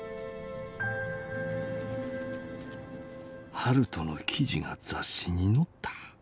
「悠人の記事が雑誌に載った。